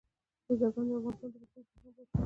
بزګان د افغانستان د بشري فرهنګ برخه ده.